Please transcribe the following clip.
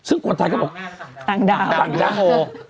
ซึ่งคนไทยก็บอกต่างดาวต่างดาวต่างดาว